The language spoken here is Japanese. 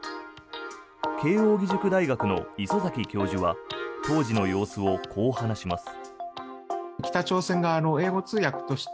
慶応義塾大学の礒崎教授は当時の様子をこう話します。